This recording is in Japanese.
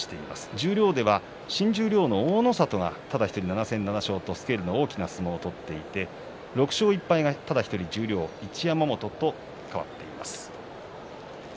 十両では新十両の大の里がただ１人、７戦７勝とスケールの大きな相撲を取っていて６勝１敗がただ１人十両、一山本と変わっています。